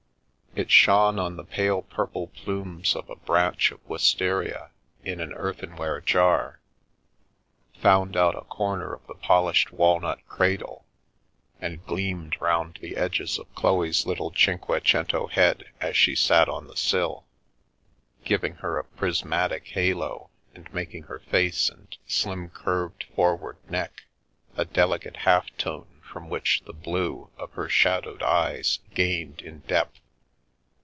It shone on the pale purple plumes of a branch of wisteria in an earthenware jar; found out a corner of the polished walnut cradle, and gleamed round the edges of Chloe's little cinquecento head as she sat on the sill, giving her a prismatic halo and making her face and slim curved forward neck a delicate half tone from which the blue of her shadowed eyes, gained in depth.